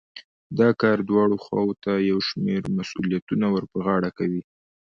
دا کار دواړو خواوو ته يو شمېر مسوليتونه ور په غاړه کوي.